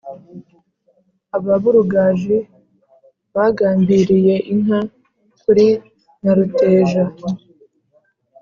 ababurugaji bagambiiriye inka kuri nyaruteja